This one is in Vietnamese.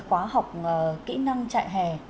khóa học kỹ năng chạy hè